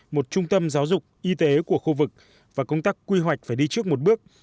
một trung tâm giáo dục y tế của khu vực và công tác quy hoạch phải đi trước một bước